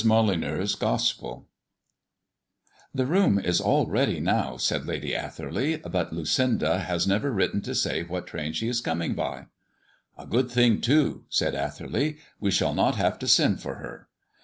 MOLYNEUX'S GOSPEL "The room is all ready now," said Lady Atherley, "but Lucinda has never written to say what train she is coming by." "A good thing, too," said Atherley; "we shall not have to send for her.